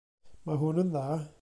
Mae hwn yn dda.